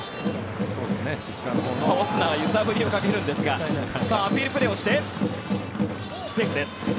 オスナが揺さぶりをかけるんですがさあ、アピールプレーをしてセーフです。